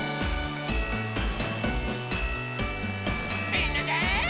みんなで。